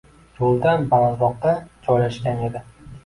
Yo’ldan balandroqda joylashgan edi.